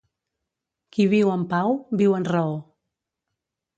Qui viu en pau, viu en raó.